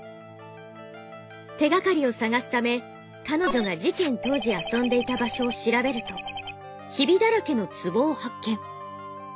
手がかりを探すため彼女が事件当時遊んでいた場所を調べるとヒビだらけのツボを発見。